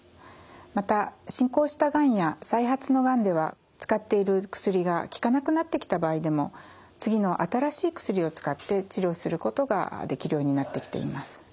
また進行したがんや再発のがんでは使っている薬が効かなくなってきた場合でも次の新しい薬を使って治療することができるようになってきています。